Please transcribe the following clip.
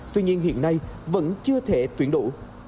tuy nhiên hiện nay vẫn chưa thể tuyển đủ